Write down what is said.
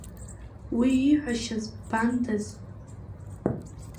Уи иҳәашьаз ббандаз…